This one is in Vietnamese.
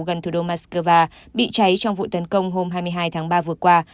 gần thủ đô moscow bị cháy trong vụ tấn công hôm hai mươi hai tháng ba vừa qua